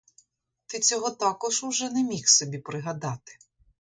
Ти цього також уже не міг собі пригадати.